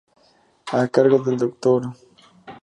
A cargo del Dr.